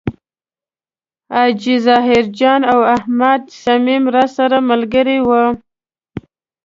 حاجي ظاهر جان او احمد صمیم راسره ملګري و.